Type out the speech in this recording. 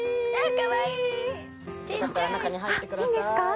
いいんですか？